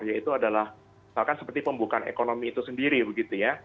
yaitu adalah misalkan seperti pembukaan ekonomi itu sendiri begitu ya